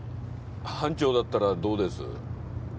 班長だったらどうです？